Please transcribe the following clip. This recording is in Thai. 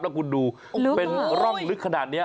แล้วคุณดูเป็นร่องลึกขนาดนี้